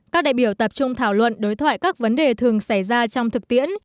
các đại biểu tập trung thảo luận đối thoại các vấn đề thường xảy ra trong thực tiễn